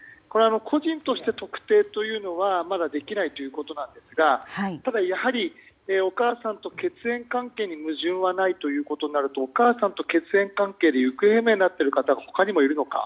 個人として特定というのはまだできないということなんですがただ、やはりお母さんと血縁関係に矛盾はないということになるとお母さんと血縁関係で行方不明になっている方が他にもいるのか。